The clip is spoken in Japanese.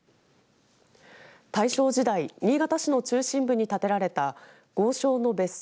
大正時代新潟市の中心部に建てられた豪商の別荘